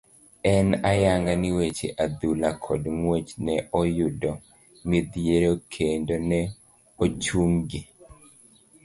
En ayanga ni weche adhula kod ngwech ne oyudo midhiero kendo ne ochung' gi.